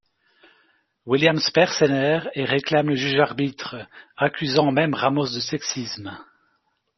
Williams perd ses nerfs et réclame le juge-arbitre, accusant même Ramos de sexisme.